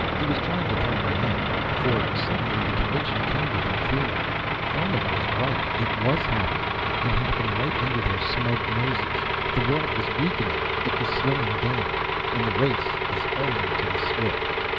He was trying to comprehend. For suddenly the conviction came to him clearly; Thurmon was right. It was happening, had happened, right under their smug noses. The world was weakening. It was slowing down, and the race is only to the swift.